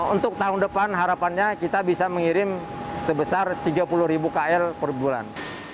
untuk tahun depan harapannya kita bisa mengirim sebesar tiga puluh ribu kl per bulan